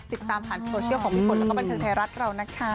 ติดตามผ่านโซเชียลของพี่ฝนแล้วก็บันเทิงไทยรัฐเรานะคะ